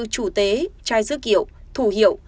chủ tế trai dước kiệu thủ hiệu